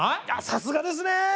さすがですね！